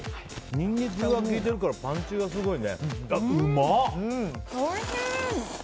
ニンニクが効いてるからパンチがすごいね。